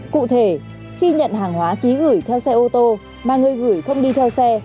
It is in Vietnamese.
cụ thể khi nhận hàng hóa ký gửi theo xe ô tô mà người gửi không đi theo xe